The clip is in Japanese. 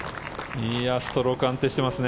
ストロークが安定していますね。